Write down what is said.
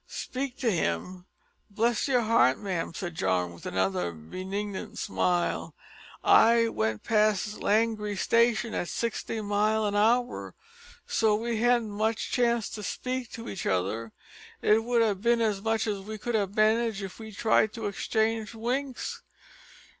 "Speak to him! Bless your heart, ma'am," said John, with another benignant smile, "I went past Langrye station at sixty mile an hour, so we hadn't much chance to speak to each other. It would have been as much as we could have managed, if we'd tried it, to exchange winks."